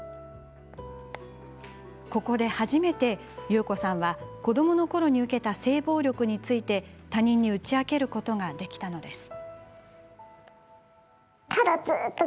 ここで初めて、ユウコさんは子どものころに受けた性暴力について他人に打ち明けることができたのです。